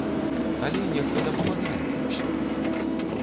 Але нехта дапамагае заўсёды.